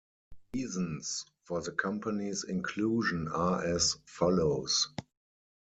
Reasons for the company's inclusion are as follows.